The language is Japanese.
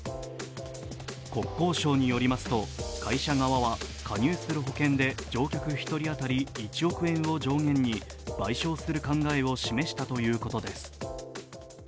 国交省によりますと、会社側は加入する保険で乗客１人当たり１億円を上限に賠償する考えを示したということです。